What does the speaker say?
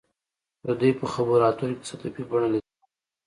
د دوی په خبرو اترو کې تصادفي بڼه لیدل کیږي